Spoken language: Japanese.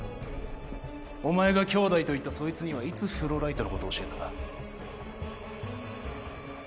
お前が兄弟と言ったそいつにはいつフローライトのことを教えた？